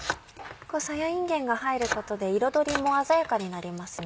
さやいんげんが入ることで彩りも鮮やかになりますね。